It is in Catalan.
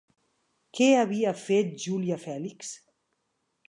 Què havia fet Júlia Fèlix?